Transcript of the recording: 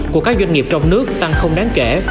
của các doanh nghiệp trong nước tăng không đáng kể